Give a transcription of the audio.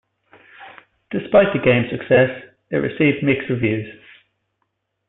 Despite the game's success, it received mixed reviews.